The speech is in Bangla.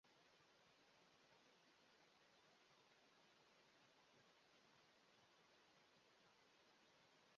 ভারতের রাজনীতিবিদরা তাদের মুক্তির জন্য আবেদন করেন।